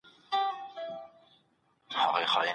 بدن پاملرنې ته اړتیا لري.